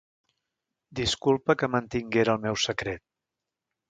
Disculpa que mantinguera el meu secret.